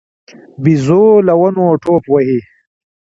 بيزو له ونو ټوپ وهي.